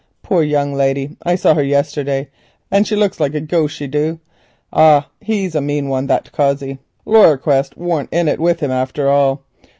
Poor young lady, I saw her yesterday, and she looks like a ghost, she du. Ah, he's a mean one, that Cossey. Laryer Quest warn't in it with him after all.